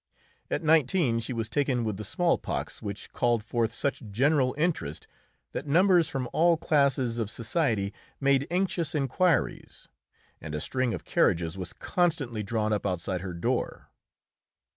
At nineteen she was taken with the smallpox, which called forth such general interest that numbers from all classes of society made anxious inquiries, and a string of carriages was constantly drawn up outside her door.